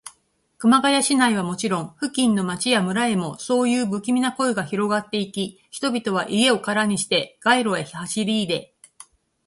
熊谷市内はもちろん、付近の町や村へも、そういうぶきみな声がひろがっていき、人々は家をからにして、街路へ走りいで、